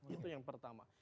itu yang pertama